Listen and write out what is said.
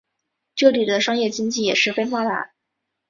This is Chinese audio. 这里商业经济也十分发达。